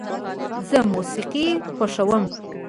زه موسیقي خوښوم.